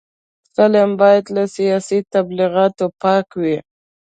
فلم باید له سیاسي تبلیغاتو پاک وي